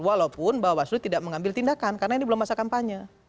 walaupun bawaslu tidak mengambil tindakan karena ini belum masa kampanye